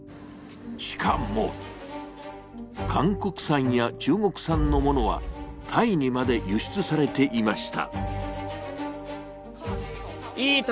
しかも韓国産や中国産のものはタイにまで輸出されていました。